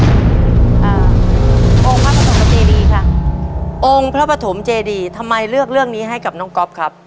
องค์พระปฐมเจดีค่ะองค์พระปฐมเจดีทำไมเลือกเรื่องนี้ให้กับน้องก๊อฟครับ